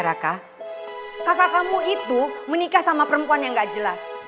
kakak kamu itu menikah sama perempuan yang gak jelas